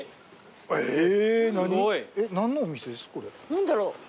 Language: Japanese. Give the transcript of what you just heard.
何だろう。